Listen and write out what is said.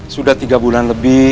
sudah tiga bulan lebih